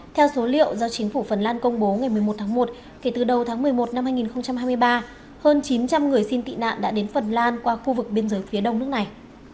theo số liệu do chính phủ phần lan công bố ngày một mươi một tháng một kể từ đầu tháng một mươi một năm hai nghìn hai mươi ba hơn chín trăm linh người xin tị nạn đã đến phần lan qua khu vực biên giới phía đông nước này